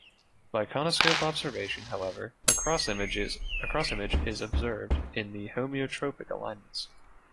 By conoscope observation, however, a cross image is observed in the homeotropic alignments.